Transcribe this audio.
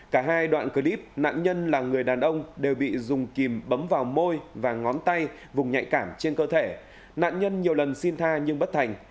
cả hai đoạn clip nạn nhân là người đàn ông đều bị dùng kìm bấm vào môi và ngón tay vùng nhạy cảm trên cơ thể nạn nhân nhiều lần xin tha nhưng bất thành